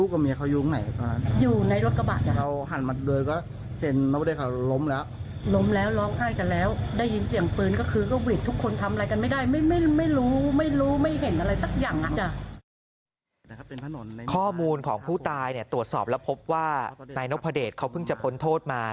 ข้อมูลของผู้ตายเนี่ยตรวจสอบแล้วพบว่านายนพเดชเขาเพิ่งจะพ้นโทษมา